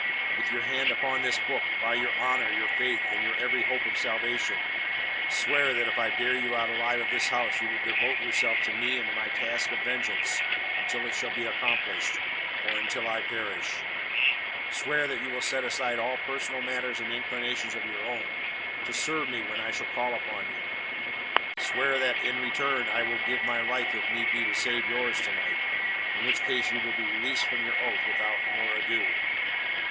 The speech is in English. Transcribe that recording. "With your hand upon this book, by your honour, your faith, and your every hope of salvation, swear that if I bear you alive out of this house you will devote yourself to me and to my task of vengeance until it shall be accomplished or until I perish; swear that you will set aside all personal matters and inclinations of your own, to serve me when I shall call upon you. Swear that, and, in return, I will give my life if need be to save yours to night, in which case you will be released from your oath without more ado."